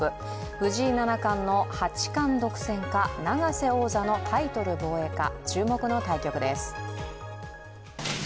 藤井七冠の八冠独占化、永瀬王座のタイトル防衛か、注目の対局です。